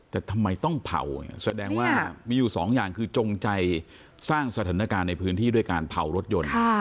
แต่ทำไมต้องเผาเนี่ยแสดงว่ามีอยู่สองอย่างคือจงใจสร้างสถานการณ์ในพื้นที่ด้วยการเผารถยนต์